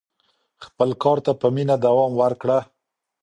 خپل کار ته په مینه دوام ورکړه.